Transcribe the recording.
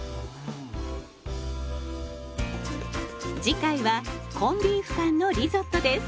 次回はコンビーフ缶のリゾットです。